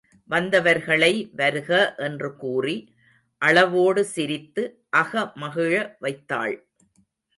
வந்தவர்களை வருக என்று கூறி அளவோடு சிரித்து அகமகிழ வைத்தாள்.